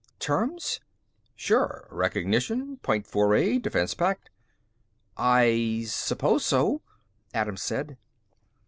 "Terms?" "Sure. Recognition. Point Four Aid. Defense pact." "I suppose so," Adams said.